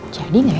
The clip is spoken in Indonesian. jadi gak ya